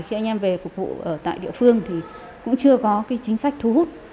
khi anh em về phục vụ ở tại địa phương thì cũng chưa có cái chính sách thu hút